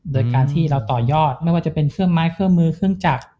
โดยการที่เราต่อยอดไม่ว่าจะเป็นเครื่องไม้เครื่องมือเครื่องจักร